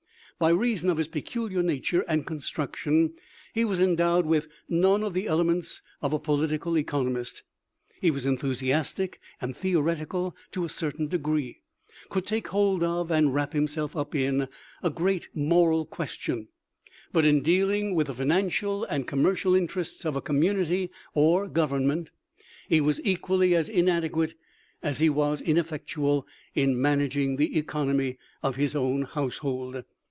By reason of his peculiar nature and construction he was endowed with none of the elements of a political economist. He was en thusiastic and theoretical to a certain degree ; could take hold of, and wrap himself up in, a great moral question ; but in dealing with the financial THE LIFE OF LINCOLN. 1 75 and commercial interests of a community or gov ernment he was equally as inadequate as he was ineffectual in managing the economy of his own household.